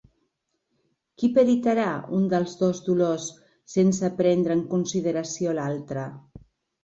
¿Qui peritarà un dels dos dolors sense prendre en consideració l'altre?